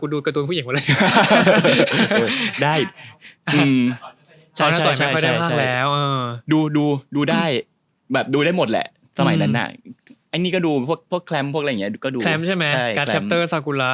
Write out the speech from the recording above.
ดูดูดูดูได้แมบดูได้หมดแหละสมัยนั้นน่ะอันนี้ก็ดูพวกพวกพวกเรายังไงก็ดูใช่ไหม